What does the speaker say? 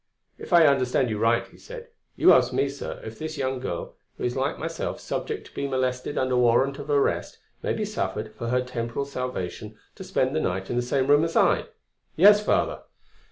"If I understand you right," he said, "you ask me, sir, if this young girl, who is like myself subject to be molested under a warrant of arrest, may be suffered, for her temporal salvation, to spend the night in the same room as I?" "Yes, Father."